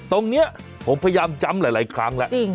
ตรงนี้ผมพยายามจำหลายครั้งแล้ว